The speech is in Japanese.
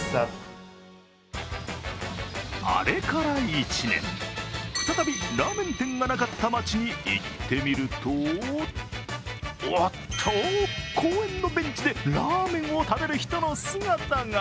あれから１年、再びラーメン店がなかった町に行ってみると、おっと、公園のベンチでラーメンを食べる人の姿が。